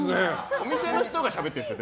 お店の人がしゃべってるんですよ